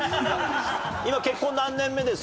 今結婚何年目です？